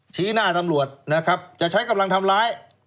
ชี้หน้าตำรวจนะครับจะใช้กำลังทำร้าย